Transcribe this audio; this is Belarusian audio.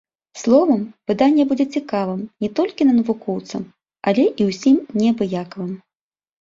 Словам, выданне будзе цікавым не толькі на навукоўцам, але і ўсім неабыякавым.